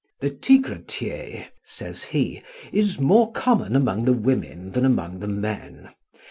"The Tigretier," he says he, "is more common among the women than among the men.